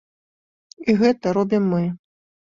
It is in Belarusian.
І гэта робім мы.